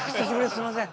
すいません。